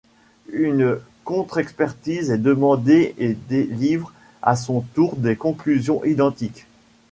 Une contre-expertise est demandée et délivre à son tour des conclusions identiques.